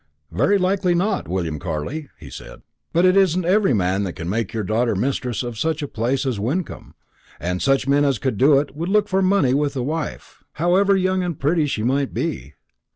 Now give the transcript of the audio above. "Very likely not, William Carley," he said; "but it isn't every man that can make your daughter mistress of such a place as Wyncomb; and such men as could do it would look for money with a wife, however young and pretty she might be.